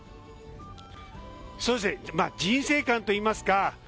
人生観といいますか。